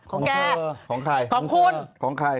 ของแกของคุณของแก